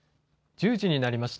１０時になりました。